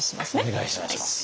お願いします。